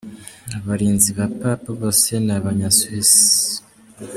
Abarinzi ba Papa bose ni abanya Swisse